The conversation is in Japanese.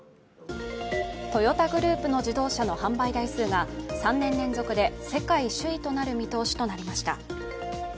トヨタグループの自動車の販売台数が３年連続で、世界首位となる見通しとなりました。